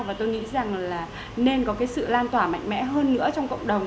và tôi nghĩ rằng là nên có cái sự lan tỏa mạnh mẽ hơn nữa trong cộng đồng